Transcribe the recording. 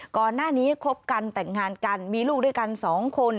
ก่อนหน้านี้คบกันแต่งงานกันมีลูกด้วยกัน๒คน